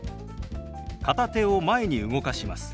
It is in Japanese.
片手を前に動かします。